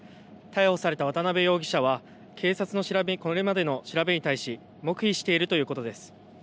逮捕された渡邊容疑者は警察のこれまでの調べに対し黙秘しているということです。